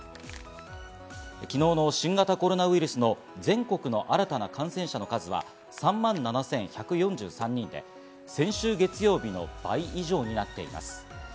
昨日の新型コロナウイルスの全国の新たな感染者の数は、３万７１４３人で先週月曜日の倍以上になっています。